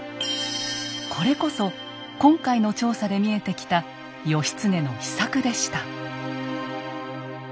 これこそ今回の調査で見えてきた義経の秘策でした。